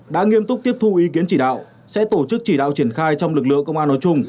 đã nghiêm túc tiếp thu ý kiến chỉ đạo sẽ tổ chức chỉ đạo triển khai trong lực lượng công an nói chung